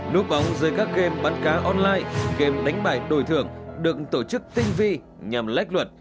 núp bóng dưới các game bắn cá online game đánh bài đổi thưởng được tổ chức tinh vi nhằm lách luật